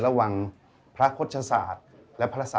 ชื่องนี้ชื่องนี้ชื่องนี้ชื่องนี้